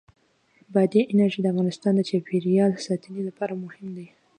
بادي انرژي د افغانستان د چاپیریال ساتنې لپاره مهم دي.